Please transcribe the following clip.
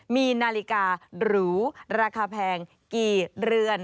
มีนาฬิการูราคาแพงกี่เรือน